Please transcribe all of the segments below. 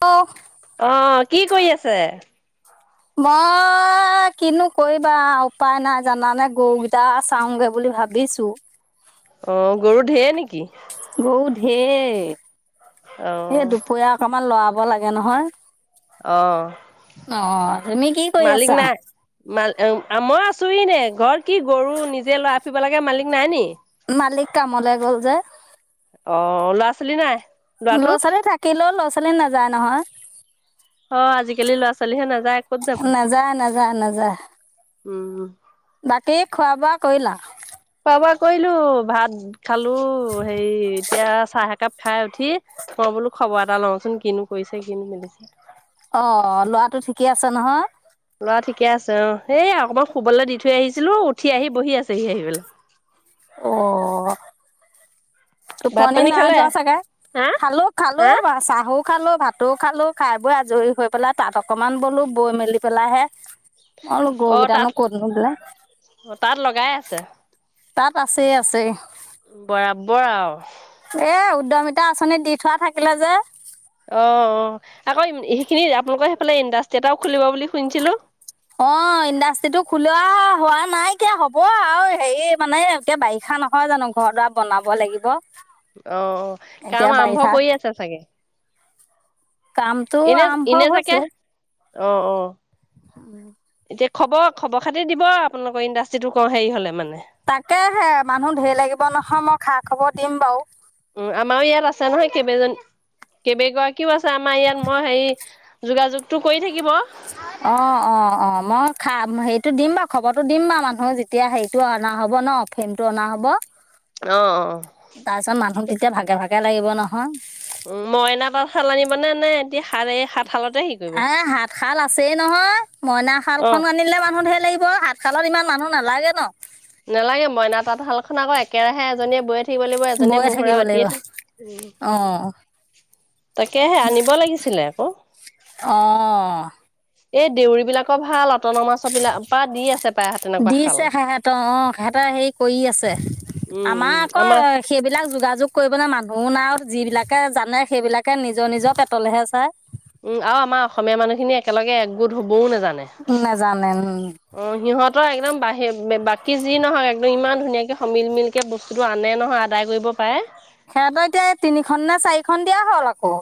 অ। অ কি কৰি আছে? মই কিনো কৰিবা উপায় নাই জানানে গৰুকেইটা চাওঁগে বুলি ভাবিছো অ গৰু ঢেৰ নেকি? গৰু অ ঢেৰ এই দুপৰীয়া অকমান লৰাব ব লাগে নহয় অহ অ তুমি কি কৰি মালিক আছা নাই মাল মই আছোহি দে ঘৰত কি গৰু নিজে ল'ৰাই ফুৰিব লাগে মালিক নাই নি? মালিক কামলৈ গ'ল যে। অ ল'ৰা ছোৱালী নাই ল'ৰাটো? ল'ৰা ছোৱালী থাকিলেও ল'ৰা ছোৱালী নাযায় নহয়। অ আজিকালি ল'ৰা ছোৱালীহে নাযায় ক'ত যাব নাযায় নাযায় উম। তাকি খোৱা বোৱা কৰিলা। খোৱা -বোৱা কৰিলোঁ ভাত খালো হেয়ি এতিয়া চাহ একাপ খাই উঠি মই বোলো খবৰ এটা লওঁচোন কিনো কৰিছে কিনো মেলিছে অ ল'ৰাটো ঠিকেই আছে নহয়? অ ঠিকে আছে অ এই অকণমান শুবলৈ দি থৈ আহিছিলোঁ উঠি আহি বহি আছেহি আহি পেল অ ভাত টোপনি পানী খালে? নাযোৱা চাগে, হা? খালোঁ খালোঁ হা বা চাহো খালোঁ ভাতো খালোঁ খাই বৈ আজৰি হৈ পেলাই তাত অকনমান বলো বৈ মেলি পেলাই হে অৰু অ গৰুকেইটা নো তাঁত ক'ত নিলে তাঁত লগাই আছে তাত আছে আছে। বৰাবৰ আও এ উদ্যয়মিতা আঁচনিত দি থোৱা থাকিলে যে অ অ আকৌ সেইখিনি আপোনালোকৰ সেইফালে ইণ্ডাষ্ট্ৰি এটাও খুলিব বুলি শুনিছিলোঁ। অ ইণ্ডাষ্ট্ৰি টো খোলোৱা হোৱা নাই কিয় হ'ব আৰু হেৰি মানে এতিয়া বাৰিষা বাৰিষা নহয় জানো ঘৰ দোৱা বনাব লাগিব। অ এতিয়া কাম আৰম্ভ বাৰিষা কৰি আছে চাগে। কামটো আৰম্ভ এনেই এনেই চাগে হৈছে অ অ। [unintelligible] এতিয়া খবৰ খবৰ খাতি দিব আপোনালোকৰ ইণ্ডাষ্ট্ৰিটো কওঁ হেৰি হ'লে মানে। তাকেহে মানুহ ধেৰ লাগিব নহয় মই খা খবৰ দিম বাৰু। উ আমাৰো ইয়াত আছে নহয় কেইবে জনী কেইবগৰাকীও আছে আমাৰ ইয়াত মই হেৰি যোগাযোগটো কৰি থাকিব। [inaudible] অ অ অ মই খা হেৰিটো দিম বাৰু খবৰটো দিম বাৰু মানুহ যেতিয়া হেৰিটো অনা হব ন। অ ফোনটো অনা হব। অ অ তাৰপিছত মানুহ তেতিয়া ভাগে ভাগে লাগিব নহয়। উ মইনা তাতশাল আনিবা নে এতিয়া এই সাতশালতে শিকিব। হাল আছেই নহয় মইনা অ হালখন আনিলে মানুহ ধেৰ লাগিব হাতশালত ইমান মানুহ নালাগে ন। নালাগে মইনা তাঁতশালখন আকৌ একেৰাহে এজনীয়ে বৈয়ে থাকিব লাগিব এজনীয়ে বৈয়ে মুহুৰা লাগিব বাতিয়ে থাকিব উ অ', তাকেহে আনিব লাগিছিলে আকৌ। অ', এই দেউৰী বিলাকৰ ভাল অটন মাছ বিলাক বা দি আছে। প্ৰায় তেনেকুৱা শাল দিছে খা হেত অ হেতহ হেৰি কৰি আছে। উম আমাৰ উম আকৌ সেইবিলাক যোগাযোগ কৰিব ন মানুহ নাই। যিবিলাকে জানে সেইবিলাকে নিজৰ নিজৰ পেটলেহে চাই। উম আৰু আমাৰ অসমীয়া মানুহখিনি একেলগে একগোট হ'ব। বৌও নেযানে নেজানে উম অ সিহঁতৰ একদম বাহি সেই বাকী যি নহওক একদম ইমান ধুনীয়াকৈ সমিল মিলকৈ বস্তুটো আনে নহয় আদায় কৰিব পাৰে। সিহঁতৰ এতিয়া তিনিখন নে চাৰিখন দিয়া হ'ল আকৌ।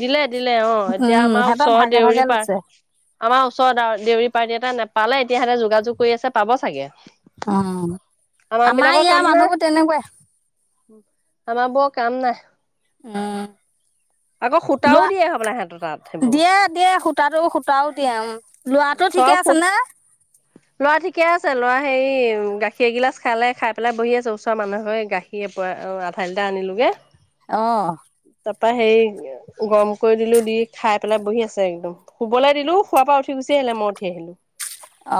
দিলে দিলে অ এতিয়া উম আমাৰ সিহঁতৰ ওচৰৰ ভাগে ভাগে দেউৰী পাৰ লৈছে আমাৰ ওচৰত দেউৰী পাৰ্ট এটা ন। পালে এতিয়াহেঁতে যোগাযোগ কৰি আছে পাব চাগে। উ আমাৰ ইয়া মানুহবোৰ তেনেকুৱাই। আমাৰবোৰ কাম নাই। উম! আকৌ সূতাও লোৱা দিয়ে হব সিহঁতৰ তাত সেইবোৰ। দিয়ে দিয়ে সূতাটো সূতাও দি লৰাটো ঠিকে চব আছে না। ল'ৰা ঠিকে আছে ল'ৰা হেৰি গাখীৰ এগিলাচ খালে খাই পেলাই বহি আছে ওচৰ মানুহে গাখীৰ। আধা লিটাৰ আনিলোগে। অহ তাৰপা হেৰি গৰম কৰি দিলোঁ দি খাই পেলাই বহি আছে একদম শুবলৈ দিলোঁ শোৱাৰ পৰা উঠ গুচি আহিলে মই উঠি আহিলোঁ।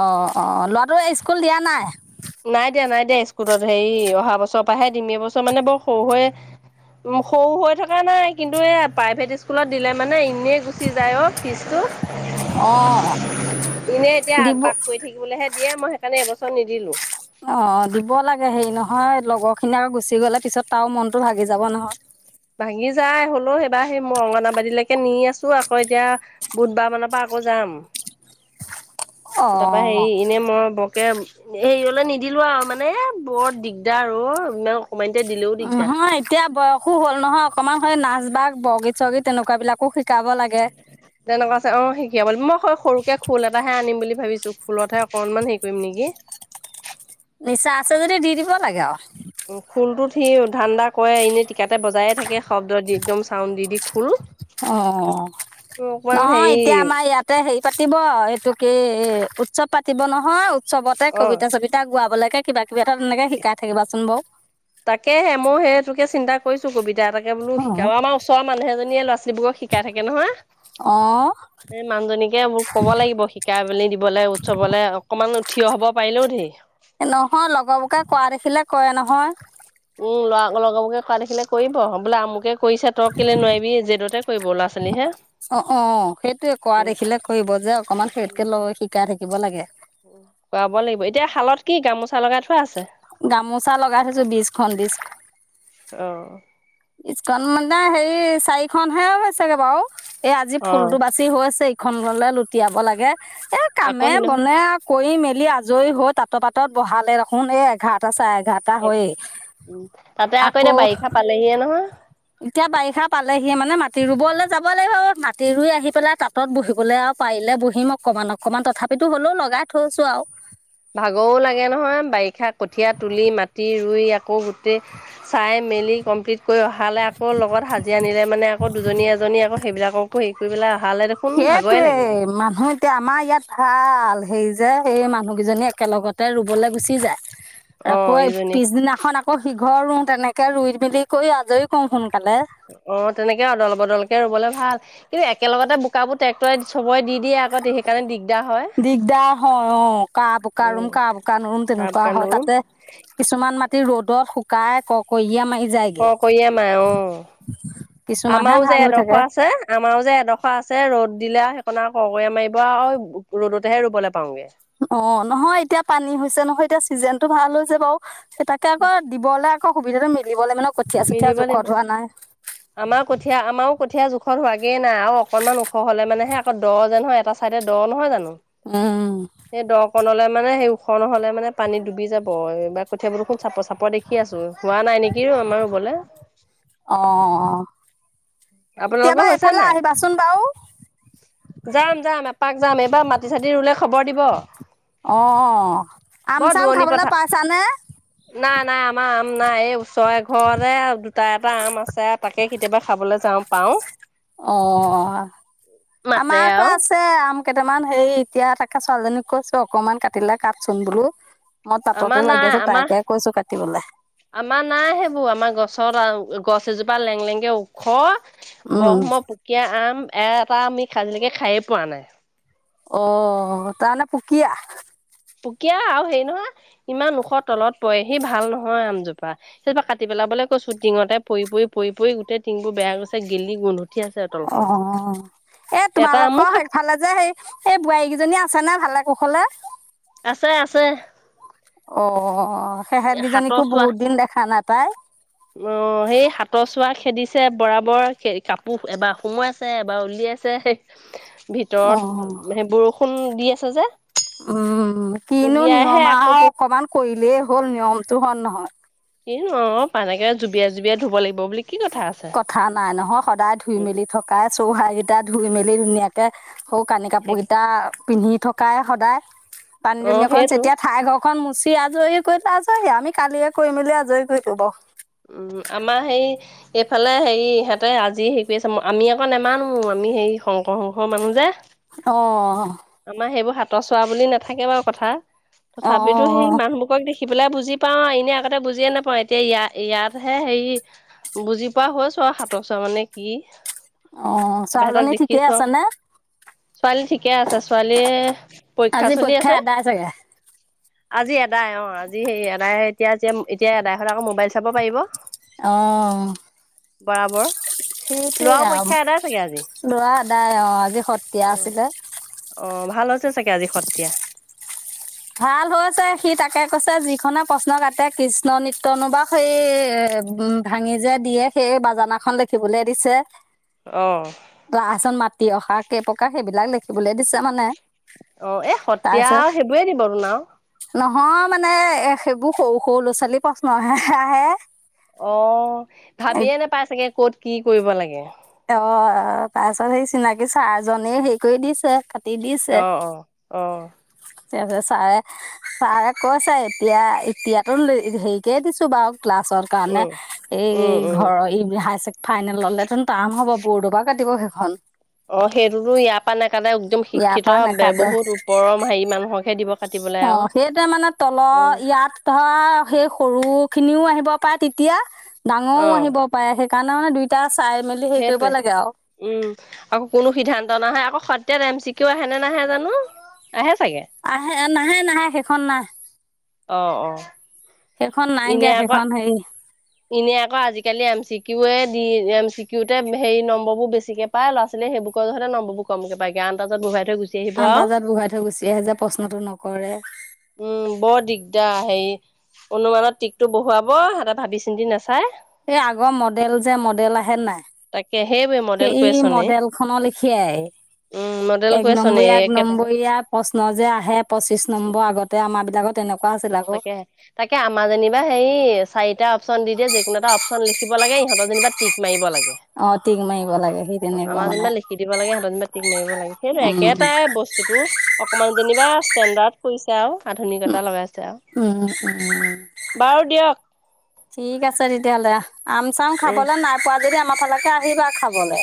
অ অ ল'ৰাটোৱে স্কুল দিয়া নাই নাই দিয়া নাই দিয়া স্কুলত। হেৰি অহা বছৰ পৰাহে দিম এ বছৰ মানে বৰ সৰু হৈ ম সৰু হৈ থকা নাই কিন্তু এ প্ৰাইভেট স্কুলত দিলে মানে। এনেই গুচি যায় অ' ফিজটো- অ এনে এতিয়া দিব আগবাগ কৰি থাকিবলৈহে দিয়ে মই সেইকাৰণে এবছৰ নিদিলো। অ দিব লাগে হেৰি নহ হয় লগৰখিনি আকৌ গুচি গ'লে পিছত তাৰও মনটো ভাগি যাব নহয়। ভাঙি যায় হলেও সেইবাৰ সেই মই অংগনাবাদীলৈকে নি আছো। আকৌ এতিয়া বুধবাৰ মানৰ পৰা আকৌ যাম। অ তাৰপা হেৰি এনে মই ব তে হেৰিয়লৈ নিদিলো আৰু মানে বৰ দিগদাৰ আৰু ম হয় এতিয়া বয়সো হ'ল নহয় অকনমান স নাচ বাগ বৰগীত চৰগীত তেনেকুৱা বিলাকো শিক তেনেকুৱা আছে অ শিকিব মই সৰুকে খোল এটাহে আনিম বুলি ভাবিছো। ত খোলতহে অকণমান হেৰি কৰিম নেকি? নিচা আছে যদি দি দিব লাগে আৰু উ খোলটোত সি ধান্দা কৰে এনেই টিকাতে বজায়ে থাকে শব্দ দি একদম চাউণ্ড দি দি। খোল। অ অকমান নহয় হেৰি এতিয়া আমাৰ ইয়াতে হেৰি পাতিব এইটো কে উৎসৱ পাতিব নহয়। চবতে অ' কবিতা চবিতা গোৱাবলৈকে কিবা কিবা এটা তেনেকে শিকাই থাকিবাচোন বাৰ। তাকেহে মই সেই তোকে চিন্তা কৰিছো কবিতা দো এ তাকে বোল অ শিকাও। আমাৰ ওচৰৰ মানুহ এজনীয়ে'লৰা ছোৱালীবোৰক শিকাই থাকে নহয়। অঁ এই মানুহজনীকে মোৰ কব লাগিব শিকা বুলি দিবলৈ উৎসবলৈ অকনমান থিয় হব পাৰিলও ধেৰি নহয় লগৰ বোকে কোৱা দেখিলে কয় নহয়। উম লৰা লগৰবোকে কৰা দেখিলে কৰিব বোলে আমুকে কৰিছা তৰ্কিলে নোৱাৰিবি জেদতে কৰিব ল'ৰা ছোৱালী হে অ অ সেইটোয়ে কৰা দেখিলে কৰিব যে অকমান সেইতকে লগ শিকাই থাকিব লাগে। খুৱাব লাগিব এতিয়া শালত কি গামোচা লগাই থোৱা আছে। গামোচা লগাই থৈছো বিশখন বিশখন। অ বিশখন মানে হেৰি চাৰিখনহে চাগে বাৰু এ আজি অ ফুলটো বাচি হৈ আছে। এইখনলৈ লুটিয়াব লাগে এ আকৌ কামে সিদিনাখন বনে- কৰি মেলি আজৰি হৈ তাঁতৰ পাতত বহালে দেখোন এই এঘাৰটা চাই ঘটা হয় তাতে এতিয়া আকৌ বাৰিষা পালেহিয়ে নহয় এতিয়া বাৰিষা পালেহি মানে মাটি ৰুবলৈ যাব লাগিব মাটি ৰুই আহি পেলাই তাঁত বহিবলে আৰু পাৰিলে বহিম অকমান অকমান তথাপিতো হলেও লগাই থৈছো আৰু ভাগও লাগে নহয় বাৰিষা কঠীয়া তুলি মাটি ৰুই আকৌ তে চাই মেলি কমপ্লিট কৰি অহালে আকৌ লগত হাজি আনিলে মানে আকৌ দুজনী -এজনী আকৌ সেইবিলাককো হেৰি কৰি পেলাই অহালে দেখোন ভাগৰে লাগিব সেইটোৱে মানুহ এতিয়া আমাৰ ইয়াত ভাল হেই যে সেই মানুহ কেইজনী একেলগতে ৰুবলৈ গুচি যায়, আকৌ অ', ইজনী পিছদিনাখন আকৌ অহ, সিঘৰ ৰুওঁ তেনেকে ৰুই মেলি কৰি আজৰি কও শুনো। অহ, তেনেকে অদল- বদলকে ৰুবলে ভাল। কিন্তু একেলগতে বোকাবোৰ ট্ৰেক্টৰে থুব্ৰাই দি দিয়ে আকৌ সেইকাৰণে দিগ দিগদাৰ হয় অহ কাহ বোকা ৰুম উম -কাহ বোক ৰুম কাৰ তেনেকুৱা বোকা হয় নোৰুম তাতে কিছুমান মাটি ৰ'দত শুকাই কৰকৰিয়া মাৰি যায়গে। ককৈয়া মাৰে উম। কিছুমানহে আমাৰো যে ভাল হৈ থাকে এডখৰ আছে আমাৰো যে এডখৰ আছে ৰ'দ দিলে সেইকনা কৰকীয়া মাৰিব আও ৰ'দতেহে ৰুবলে পাওঁগে। অহ, নহয় এতিয়া পানী হৈছে নহয় এতিয়া চিজনে টো ভাল হৈছে বাৰু চে তাকে আকৌ দিবলে আকৌ সুবিধাটো মেলিবলৈ মানে কঠীয়া চঠীয়া মিলিব লাগিব জোখত হোৱা নাই। আমাৰ কঠীয়া -আমাৰ কঠীয়া জোখ ওখ লাগেই না আৰু অকণমান ওখ হ'লে মানেহে আকৌ দ' যেহ হয় এটা চাইডে দ' নহয় জানো। উম। সেই দ কণলে মানে সেই ওখ নহলে মানে পানী ডুবি যাব এইবাৰ কঠিয়াবোৰ দেখোন চাপৰ -চাপৰ দেখি আছো হোৱা নাই নেকি আমাৰ ৰুবলে [inaudible] অ', আপোনালোকৰ কেতিয়াবা হৈছে এফালে নাই আহিবাচোন বাৰু। যাম -যাম এপাক যাম এইবাৰ মাটি- চাতি ৰুলে খবৰ দিব। অ' [inaudible] আম বৰ চাম দুৱণি খাবলৈ পথাৰ পাইছানে? নাই -নাই আমাৰ নাই এই ওচৰ এঘৰৰে দুটা -এটা আম আছে তাকে কেতিয়াবা খাবলৈ যাওঁ পাওঁ। অহ, মাতে আমাৰ আকৌ আৰু আছে আম। কেইটামান হেই এতিয়া তাকে ছোৱালীজনীক কৈছো অকমান কাটিলে কাটচোন বোলো। মই তাঁততে আমাৰ লাগি নাই আছো আমাৰ তাইকে কৈছো কাটিবলে -আমাৰ [inaudible] নাই সেইবোৰ আমাৰ গছৰ [unintelligible] গছ এজোপা লেংলেঙকে ওখ উম ব্ৰহ্ম পুকীয়া আম এ, এটা আমি খাজিলৈকে খায়ে পোৱা নাই। অহ, তামানে পুকীয়া? পুকীয়া আৰু হেৰি নহয় ইমান ওখৰ তলত পৰে সি ভাল নহয় আমজোপা সেইজোপা কাটি পেলাব বলৈ কৈছো টিঙতে পৰি- পৰি গোটেইটিংবোৰ বেয়া গৈছে গেলি গোন্ধ অহ এ, এটা আমো তোমালোকৰ খাব সেইফালে যে সেই এই বোৱাৰীকেইজনী আছে নে ভালে কুশলে? আছে -আছে। অ', সেহেতকেইজনীকো হাতৰ চোৱা বহুত দিন দেখা না পাই। অ সেই হাতৰ চোৱা খেদিছে বৰাবৰ কাপোৰ এবাৰ সোমাইছে এবাৰ উলিয়াইছে [unintelligible] ভিতৰত অ' সেই বৰষুণ দি আছে যে উম, কিনো উলিয়াইহে নিয়ম আকৌ আৰু অকমান কৰিলেই হ'ল নিয়মটো হয় নে নহয়। এই অহ পানীতে যুবিয়াই- যুবিয়াই ধুব লাগিব। বুলি কি কথা আছে। কথা নাই নহয় সদায় ধুই উম মেলি থকাই উহাৰ কেইটা ধুই মেলি ধুনীয়াকে সৌ কানি কাপোৰ কেইটা পিন্ধি থকাই সদায় পানী অ দুনী অকন সেইটো চেতিয়াই ঠাই হ'ক [unintelligible] উম, আমাৰ হেই এইফালে হেৰি সিহঁতে আজি হেৰি কৰি আছে আমি আকৌ নেমানো আমি হেৰি শংকৰ সংঘৰ মানুহ যে অহ ত 'চোৱা বুলি নাথাকে বাৰু কথা তথাপিতো অঁ সেই মানহবোৰকক দেখি সেইবিলাক বুজি পাওঁ এনে আগতে বুজিয়ে নাপাওঁ এতিয়া ইয়াতহে হেৰি বুজি পোৱা হৈছো আৰু খাতৰ চোৱা মানে কি। অহ, তাৰপৰা সিহঁতক ছোৱালীজনী ঠিকেই দেখিছো আছে আৰু নে? ছোৱালী ঠিকে আছে ছোৱালী পৰীক্ষা আজি চলি আছে। আদায় চাগে আজি এদাই অ আজি সেই এদাই এতিয়া এতিয়া এদাই হলে আকৌ মোবাইল চাব পাৰিব। অ। বৰাবৰ। ল'ৰাও পৰীক্ষা এদাই চাগে আজি সেইটোৱে ল'ৰা এদাই অ আজি অ সত্ৰীয়া আছিলে। অ ভাল হৈছে চাগে আজি সতীয়া। ভাল হৈছে সি তাকে কৈছে যিখনে প্ৰশ্ন কাটে কৃষ্ণ নিত্যনোবা সেই। এ উম ভাঙি যে দিয়ে সেই বাজানাখন লেখিবলে দিছে। অ। তিয়হা কেইপকা সেইবিলাক ল দেখিবলৈ দিছে মানে। অ এ সতীয়া তাৰপিছত সেইবোৰে দিব আৰু। নহয় মানে এ সেইবোৰ সৰু সৰু ল'ৰা ছোৱালী প্ৰশ্ন আহে আহে। অ ভাবিয়ে নোপাই চাগে ক'ত কি কৰিব লাগে। অ তাৰপিছত সেই চিনাকি চাৰ জনে হেৰি কৰি দিছে। দিছে অ অ অ তাৰপিছত ছাৰে ছাৰে কৈছে এতিয়া এতিয়াতো হেৰিকেই দিছো বাৰু ক্লাছৰ কাৰণে, উম এই উম উম ঘৰৰ এই হাই ফাইনেল ললে টোন টান হ'ব বৰডবা কাটিব সেইখন। অ সেইটোতো ইয়াৰ পৰা নেকাতে একদম ইয়াৰ শিক্ষিত পৰা নাকাটে বহুত ওপৰৰ হেৰি মানুহকহে দিব কাটিব। অ সেইতোৱে মানে তলৰ, ইয়াত ধৰা সেই সৰু সৰু খিনিও আহিব পাৰে তেতিয়া ডাঙৰও অ আহিব পাৰে, সেইকাৰণে মানে দুইটা। চাই মেলি হেৰি কৰিব সেইটোৱে, লাগে আৰু উম আকৌ কোনো সিদ্ধান্ত নহয় আকৌ সত। এতিয়া ৰেমচিকিও আহেনে নাহে জানো? আহে চাগে আহে নাহে নাহে সেইখন নাই। অহ অহ সেইখন নাইকিয়া, সেইখন হেৰি এনেই আকৌ আজিকালি এম চি কিউে দি এম চি কিউতে সে নম্বৰ বোৰ বেছিকে পায় ল'ৰা ছোৱালী। সেইবোৰৰ কইগহতে নম্ববোৰ কম কে পায় গে আনদাজত বহুৱাই। থৈ গুচি আহিব আৰু আন্দাজত বহুৱাই থৈ গুচি আহে যে প্ৰশ্নতটো নকৰে। উম বৰ দিগদাৰ হেৰি অনুমানত টিকতটো বহুৱাব সহতে ভাবি চিন্তি নাচাই। এই আগৰ মডেল যে মডেল আহে নাই? তাকে সেইবোৰে মডেল সেই কুৱেচনে মডেল খনৰ লিখিয়াই। উম মডেল এক কুৱেচনে নম্বৰীয়া, এক একেটাহে নম্বৰীয়া প্ৰশ্ন যে আহে, পঁচিশ নম্বৰ আগত। আমাৰ বিলাকত তেনেকোৱা তাকেহে তাকে আমাৰ জনিবা হেৰি চাৰিটা অপশচন দি দিয়ে, যিকোনো এটা অপশচন লিখিব লাগে ইহঁত। বজেনিবা টিক মাৰিব লাগে। অ তিগ মাইব আমাৰ যেনিবা লিখি দিব লাগে, সিহতৰ যেনিবা টিক মাৰিব লাগে, সেইটো উম একেটাই বস্তুতটো। অকনমান যেনিবা ষ্টেণ্ডাৰ্ড কৰিছে আৰু আধুনিকতা লগাইছে। আৰু উম উ বাৰু দিয়ক ঠিক আছে তেতিয়াহ'লে আহ। আম চাম উম খাবলৈ নাই পোৱা যদি আমাৰ ফালেকে আহিবা খাবলৈ?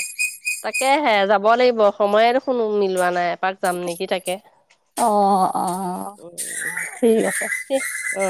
তাকেহে যাব লাগিব সময় দেখোন মিলোৱা নাই, এপাক যাম নেকি তাকে। অ অ উম ঠিক আছে। অ